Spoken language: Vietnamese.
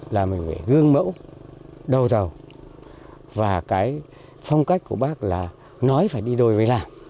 mẫu đầu tàu và cái phong cách của bác là nói phải đi đôi về làm